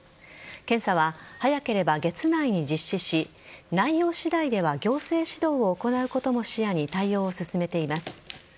検査は早ければ月内に実施し内容次第では行政指導を行うことも視野に対応を進めています。